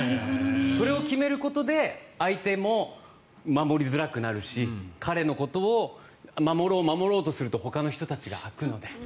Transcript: それを決めることで相手も守りづらくなるし彼のことを守ろう守ろうとするとほかの人たちが空くので。